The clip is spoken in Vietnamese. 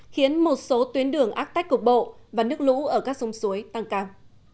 khiến một số tuyến đường ác tách cục bộ và nước lũ ở các sông suối tăng cao